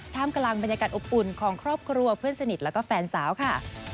กำลังบรรยากาศอบอุ่นของครอบครัวเพื่อนสนิทแล้วก็แฟนสาวค่ะ